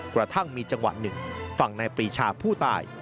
กระทั่งมีจังหวะหนึ่งฝั่งนายปรีชาผู้ตาย